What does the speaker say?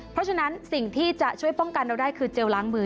เพราะฉะนั้นสิ่งที่จะช่วยป้องกันเราได้คือเจลล้างมือ